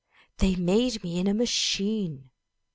They made me in a machine.